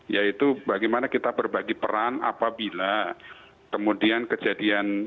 yaitu bagaimana kita berbagi peran apabila kemudian kejadian